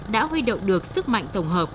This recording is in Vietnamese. đã huy động được sức mạnh tổng hợp